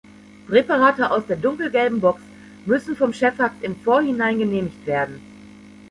Präparate aus der dunkelgelben Box müssen vom Chefarzt im Vorhinein genehmigt werden.